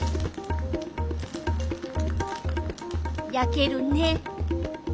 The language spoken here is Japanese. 焼けるね。